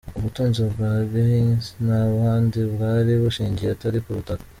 Ubutunzi bwa Genghis nta handi bwari bushingiye atari ku butaka.